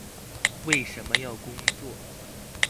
為什麼要工作？